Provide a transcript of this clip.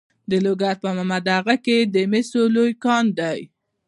د لوګر په محمد اغه کې د مسو لوی کان دی.